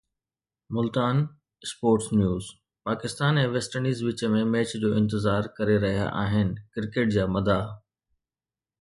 Multan (sports news) Pakistan ۽ West Indies وچ ۾ match جو انتظار ڪري رهيا آهن ڪرڪيٽ جا مداح